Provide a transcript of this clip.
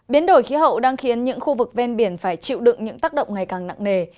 biến đổi khí hậu đang khiến những khu vực ven biển phải chịu đựng những tác động ngày càng nặng nề